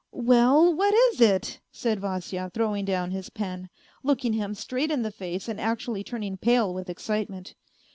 " Well, what is it ?" said Vasya, throwing down his pen, looking him straight in the face and actually turning pale with excitement.